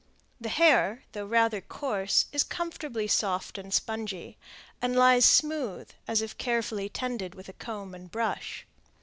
The hair, though rather coarse, is comfortably soft and spongy, and lies smooth, as if carefully tended with comb and brush.